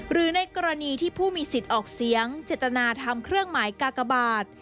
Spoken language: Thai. หรือในกรณีที่ผู้มีสิทธิ์ออกเสียงเจตนาทำเครื่องหมายกากบาท